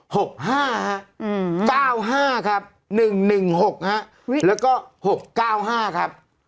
หกห้าฮะอืมเก้าห้าครับหนึ่งหนึ่งหกฮะอุ้ยแล้วก็หกเก้าห้าครับ